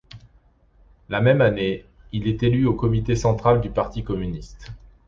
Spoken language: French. La même année, il est élu au comité central du parti communiste.